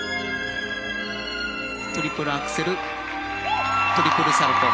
トリプルアクセルトリプルサルコウ。